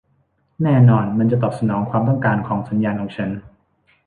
แน่นอนมันจะตอบสนองความต้องการของสัญญาของฉัน